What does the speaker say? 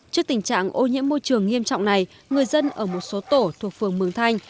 trước tình trạng ô nhiễm môi trường nghiêm trọng này người dân ở một số tổ thuộc phường mường thanh